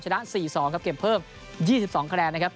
ชนะ๔๒ครับเก็บเพิ่ม๒๒คะแนนนะครับ